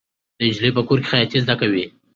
دا نجلۍ په کور کې خیاطي زده کوي.